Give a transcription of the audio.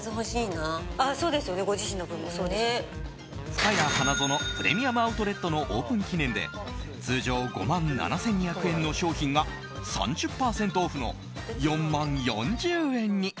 ふかや花園プレミアム・アウトレットのオープン記念で通常５万７２００円の商品が３０％オフの４万４０円に。